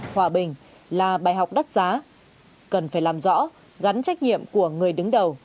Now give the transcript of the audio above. hòa bình là bài học đắt giá cần phải làm rõ gắn trách nhiệm của người đứng đầu